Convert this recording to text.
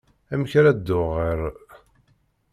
Amek ara dduɣ ɣer...?